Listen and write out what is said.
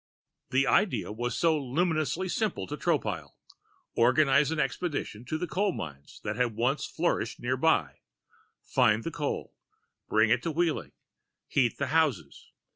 The idea was so luminously simple to Tropile organize an expedition to the coal mines that once had flourished nearby, find the coal, bring it to Wheeling, heat the houses.